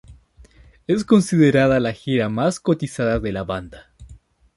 Es considerada la gira más cotizada de la banda.